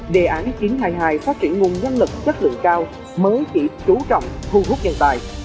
đề án chín trăm hai mươi hai phát triển nguồn nhân lực chất lượng cao mới chỉ trú trọng thu hút nhân tài